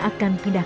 akan pindah ke